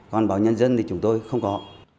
còn báo nhân dân thì chúng tôi không có